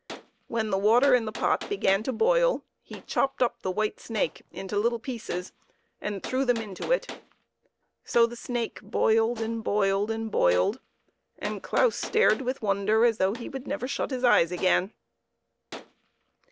When the water in the pot began to boil, he chopped up the white snake into little pieces and threw them into it. So the snake boiled and boiled and boiled, and Claus stared with won der as though he would never shut his eyes again.